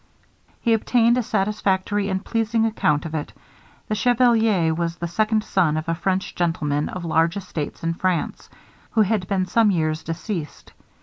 He obtained a satisfactory and pleasing account of it. The chevalier was the second son of a French gentleman of large estates in France, who had been some years deceased.